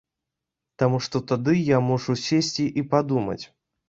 Таму што тады я мушу сесці і падумаць.